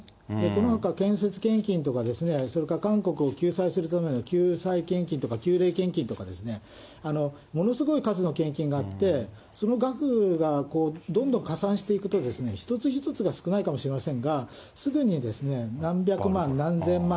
このほか、けんせつ献金とか、それから韓国を救済するための救済献金とか、きゅうれい献金とか、ものすごい数の献金があって、その額がどんどん加算していくと、一つ一つは少ないかもしれませんが、すぐに何百万、何千万。